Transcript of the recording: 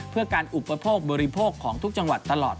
เพื่อการอุปโภคบริโภคของทุกจังหวัดตลอด